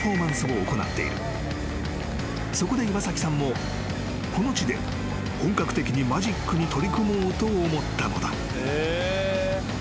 ［そこで岩崎さんもこの地で本格的にマジックに取り組もうと思ったのだ］